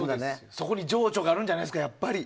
そこに情緒があるんじゃないですか。